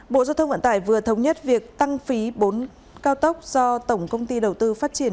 bộ giao thông vận tải vừa thống nhất việc tăng phí bốn cao tốc do tổng công ty đầu tư phát triển